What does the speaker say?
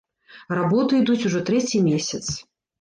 Работы ідуць ужо трэці месяц.